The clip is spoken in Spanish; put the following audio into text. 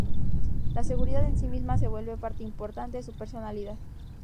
La seguridad en sí misma se vuelve parte importante de su personalidad.